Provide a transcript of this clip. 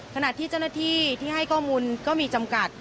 ขณะที่เจ้าหน้าที่ที่ให้ข้อมูลก็มีจำกัด